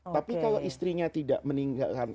tapi kalau istrinya tidak meninggalkan